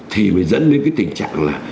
thì mới dẫn đến cái tình trạng là